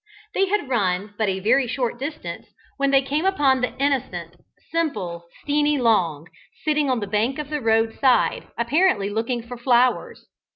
They had run but a very short distance when they came upon the "innocent," simple Steenie Long, sitting on the bank of the road side, apparently looking for flowers.